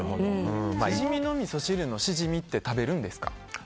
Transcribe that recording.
シジミのみそ汁のシジミって食べるんですか？